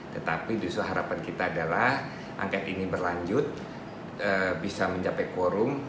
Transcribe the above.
tetapi justru harapan kita adalah angket ini berlanjut bisa mencapai quorum